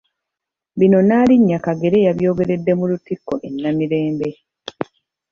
Bino Nnaalinnya Kagere yabyogeredde mu Lutikko e Namirembe.